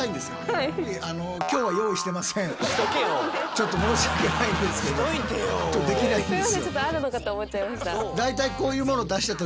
ちょっと申し訳ないんですけどできないんですよ。